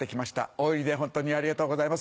大入りで本当にありがとうございます。